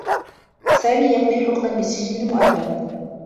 سامي يقضي حكما بالسّجن المؤبّد.